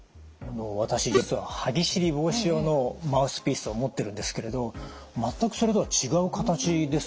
私実は歯ぎしり防止用のマウスピースを持っているんですけれど全くそれとは違う形ですね。